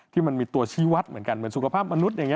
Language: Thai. มันมีตัวชีวัตรเหมือนกันเหมือนสุขภาพมนุษย์อย่างนี้